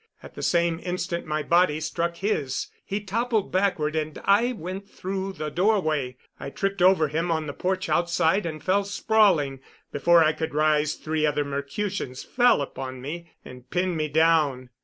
At the same instant my body struck his. He toppled backward and I went through the doorway. I tripped over him on the porch outside and fell sprawling. Before I could rise three other Mercutians fell upon me and pinned me down.